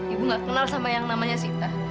ibu gak kenal sama yang namanya sita